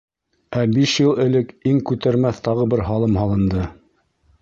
Ә биш йыл элек иң күтәрмәҫ тағы бер һалым һалынды.